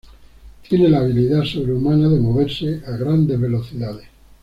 Tiene la habilidad sobrehumana de moverse a grandes velocidades.